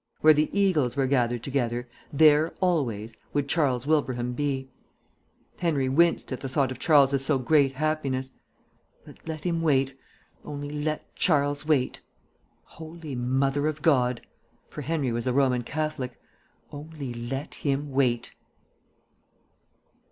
Where the eagles were gathered together, there, always, would Charles Wilbraham be. Henry winced at the thought of Charles's so great happiness. But let him wait; only let Charles wait. "Holy Mother of God!" (for Henry was a Roman Catholic), "only let him wait!"